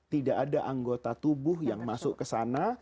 tidak ada anggota tubuh yang masuk ke sana